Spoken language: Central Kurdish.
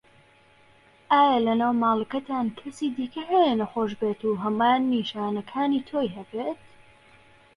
ئایا لەناو ماڵەکەتان کەسی دیکه هەیە نەخۆش بێت و هەمان نیشانەکانی تۆی هەبێت؟